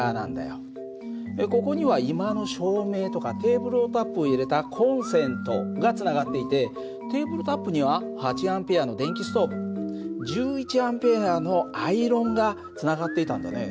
ここには居間の照明とかテーブルタップを入れたコンセントがつながっていてテーブルタップには８Ａの電気ストーブ１１Ａのアイロンがつながっていたんだね。